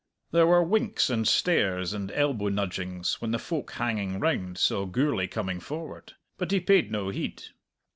There were winks and stares and elbow nudgings when the folk hanging round saw Gourlay coming forward; but he paid no heed.